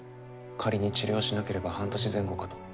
仮に治療しなければ半年前後かと。